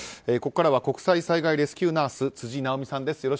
ここからは国際災害レスキューナース辻直美さんです。